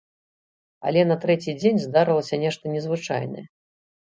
Але на трэці дзень здарылася нешта незвычайнае.